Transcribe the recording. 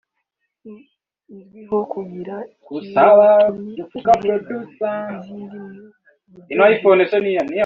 izwiho kugira ikawa ihiga izindi mu buryohe”